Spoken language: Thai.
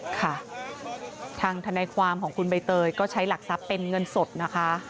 ค่ะทางทนายความของคุณใบเตยก็ใช้หลักทรัพย์เป็นเงินสดนะคะ